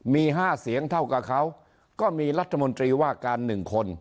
มี๕เสียงเท่ากับเขาก็มีรัฐมนตรีว่าการ๑คน